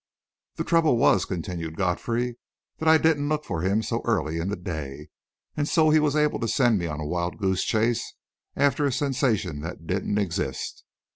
"The trouble was," continued Godfrey, "that I didn't look for him so early in the day, and so he was able to send me on a wild goose chase after a sensation that didn't exist.